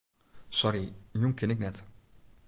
Sorry, jûn kin ik net.